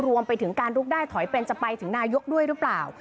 รวมไปถึงการลุกได้ถอยเป็นจะไปถึงนายกด้วยหรือเปล่า